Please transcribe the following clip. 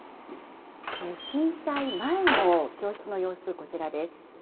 震災前の教室の様子、こちらです。